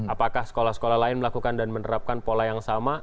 apakah sekolah sekolah lain melakukan dan menerapkan pola yang sama